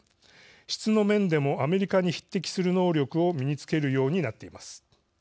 質の面でもアメリカに匹敵する能力を身につけるようになっています。